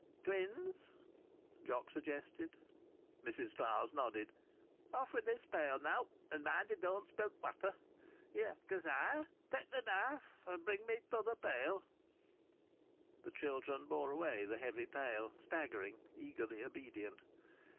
"Twins," Jock suggested. Mrs Clowes nodded. "Off with this pail, now! And mind you don't spill the water. Here, Kezia! Take the knife. And bring me the other pail." The children bore away the heavy pail, staggering, eagerly obedient.